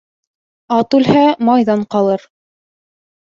Ат үлһә, майҙан ҡалыр.